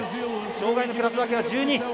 障がいのクラス分けは１２。